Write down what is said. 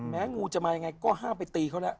แม้งูจะมาอย่างไรก็ห้าไปตีเขาแล้ว